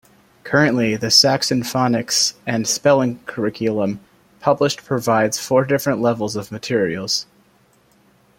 Currently, the Saxon Phonics and Spelling curriculum published provides four different levels of materials.